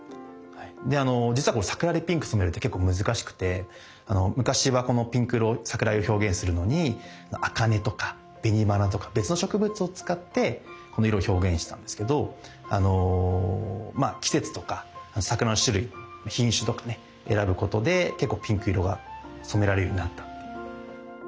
であの実はこの桜でピンク染めるって結構難しくて昔はこのピンク色桜色を表現するのにアカネとかベニバナとか別の植物を使ってこの色を表現したんですけど季節とか桜の種類品種とかね選ぶことで結構ピンク色が染められるようになったっていう。